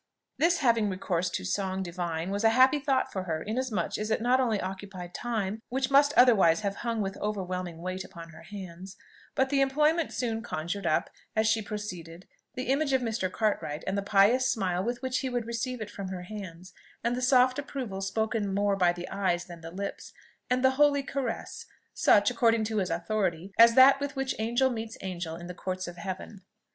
This having recourse to "song divine" was a happy thought for her, inasmuch as it not only occupied time which must otherwise have hung with overwhelming weight upon her hands, but the employment soon conjured up, as she proceeded, the image of Mr. Cartwright, and the pious smile with which he would receive it from her hands, and the soft approval spoken more by the eyes than the lips, and the holy caress such, according to his authority, as that with which angel meets angel in the courts of heaven.